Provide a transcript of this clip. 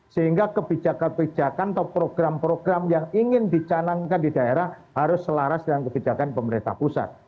sehingga kebijakan kebijakan atau program program yang ingin dicanangkan di daerah harus selaras dengan kebijakan pemerintah pusat